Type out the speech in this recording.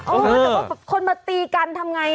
เออแต่ว่าคนมาตีกันทำอย่างไร